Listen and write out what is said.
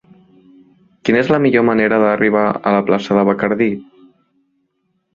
Quina és la millor manera d'arribar a la plaça de Bacardí?